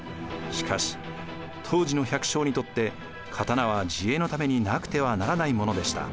しかし当時の百姓にとって刀は自衛のためになくてはならないものでした。